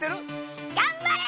がんばれ！